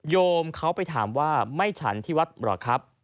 โยมเขาไปถามว่าไม่ฉันที่วัดเหรอครับ